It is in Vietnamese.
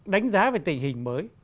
đánh giá về tình hình mới